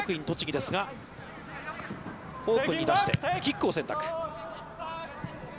栃木ですが、オープンに出して、キックを選択。